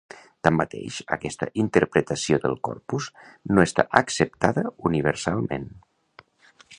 Tanmateix, aquesta interpretació del corpus no està acceptada universalment.